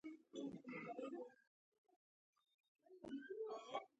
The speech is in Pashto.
بادرنګ طبیعي ضد التهاب دی.